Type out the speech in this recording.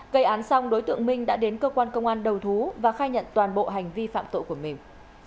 gây án xong đối tượng minh đã đến cơ quan công an đầu thú và khai nhận toàn bộ hành vi phạm tội của mình